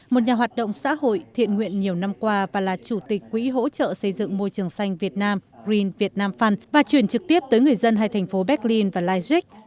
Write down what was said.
một nhà hoạt động xã hội thiện nguyện nhiều năm qua và là chủ tịch quỹ hỗ trợ xây dựng môi trường xanh việt nam green vietnam fund và chuyển trực tiếp tới người dân hai thành phố berlin và leipzig